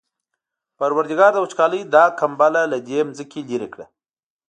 پروردګاره د وچکالۍ دا کمپله له دې ځمکې لېرې کړه.